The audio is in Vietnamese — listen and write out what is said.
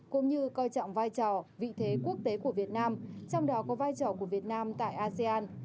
cũng như coi trọng vai trò vị thế quốc tế của việt nam trong đó có vai trò của việt nam tại asean